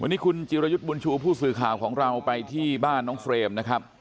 วันนี้คุณจิรยุทธ์บุญชูผู้สื่อข่าวของเราไปที่บ้านน้องเฟรมนะครับ